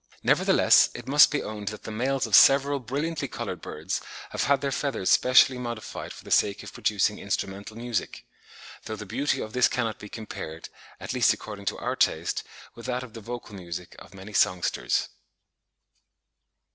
Nevertheless it must be owned that the males of several brilliantly coloured birds have had their feathers specially modified for the sake of producing instrumental music, though the beauty of this cannot be compared, at least according to our taste, with that of the vocal music of many songsters.